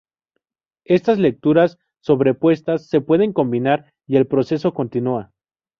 Estas lecturas sobrepuestas se pueden combinar, y el proceso continúa.